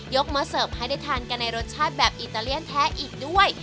มาเสิร์ฟให้ได้ทานกันในรสชาติแบบอิตาเลียนแท้อีกด้วย